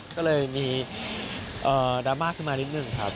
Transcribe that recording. ก็เลยมีดราม่าขึ้นมานิดหนึ่งครับ